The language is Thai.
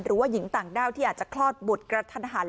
หรือว่าหญิงต่างด้าวที่อาจจะคลอดบุตรกระทันหัน